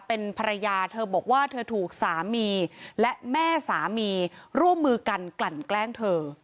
เป็นภรรยาเธอบอกว่าเธอถูกสามีและแม่สามีร่วมมือกันกลั่นแกล้งเธอ